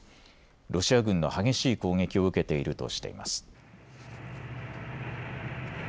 ロシア軍の激しい攻撃を受けているとしています。